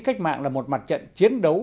cách mạng là một mặt trận chiến đấu